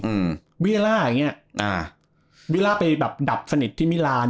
อืมวิลล่าอย่างเงี้ยอ่าวิลล่าไปแบบดับสนิทที่มิลาน